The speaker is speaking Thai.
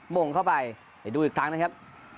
มงเข้าไปดูอีกครั้งนะครับ